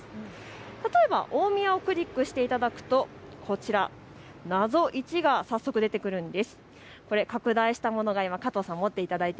例えば大宮をクリックしていただくと謎、１が早速出てくるんです。